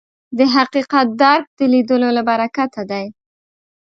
د حقیقت درک د لیدلو له برکته دی